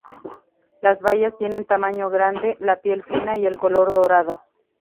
Las bayas tienen tamaño grande, la piel fina y el color dorado.